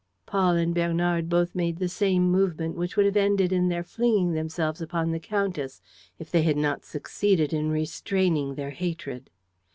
Paul and Bernard both made the same movement, which would have ended in their flinging themselves upon the countess, if they had not succeeded in restraining their hatred.